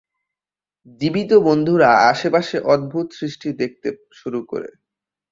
জীবিত বন্ধুরা আশেপাশে অদ্ভুত সৃষ্টি দেখতে শুরু করে।